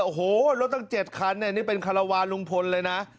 โอ้โหรถตั้ง๗คันเนี่ยนี่เป็นคารวาลลุงพลเลยนะ